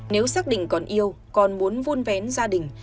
nếu xác định con yêu con muốn vun vén gia đình